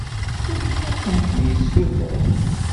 D acu i akent-d-yessuter?